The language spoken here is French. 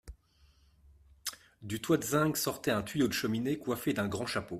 Du toit de zinc sortait un tuyau de cheminée coiffe d'un grand chapeau.